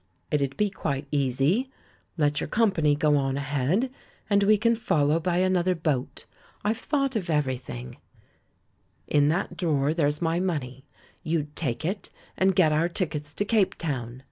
"It'd be quite easy. Let your company go on ahead, and we can follow by another boat! I've thought of everything. In that drawer, there's 136 THE MAN WHO UNDERSTOOD WOMEN my money — you'd take it and get our tickets to Cape Town.